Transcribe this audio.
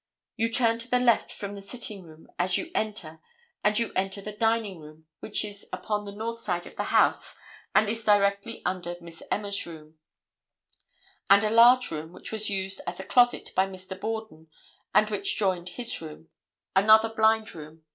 You turn to the left from the sitting room as you enter and you enter the dining room, which is upon the north side of the house and is directly under Miss Emma's room, and a large room, which was used as a closet by Mr. Borden and which joined his room, another blind room.